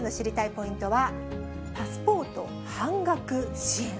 ポイントは、パスポート半額支援。